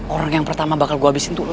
orang yang pertama bakal gue abisin tuh lo